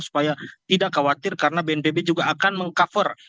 supaya tidak khawatir karena bnpb juga akan meng cover